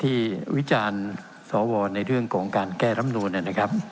วิจารณ์สวในเรื่องของการแก้รำนูนนะครับ